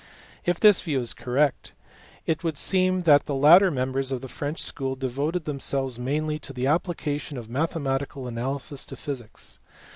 If this view be correct, it would seem that the later members of the French school devoted themselves mainly to the application of mathematical analysis to physics.